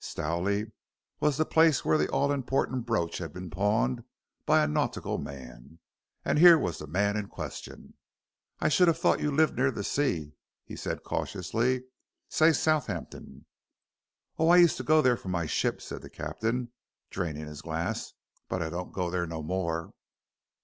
Stowley was the place where the all important brooch had been pawned by a nautical man, and here was the man in question. "I should have thought you'd lived near the sea," he said cautiously, "say Southampton." "Oh, I used t'go there for my ship," said the captain, draining his glass, "but I don't go there no more."